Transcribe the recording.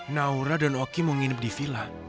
naura dan oki mau nginep di vila